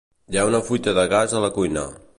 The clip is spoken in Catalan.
Hi ha una fuita de gas a la cuina.